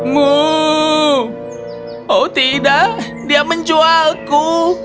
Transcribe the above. muh oh tidak dia menjualku